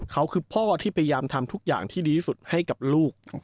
เขาคือพ่อที่พยายามทำทุกอย่างที่ดีที่สุดให้กับลูก